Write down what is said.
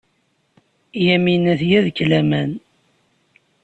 Yamina tga deg-k laman.